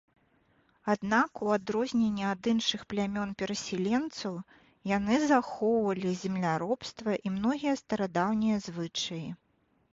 Аднак у адрозненні ад іншых плямён-перасяленцаў, яны захоўвалі земляробства і многія старадаўнія звычаі.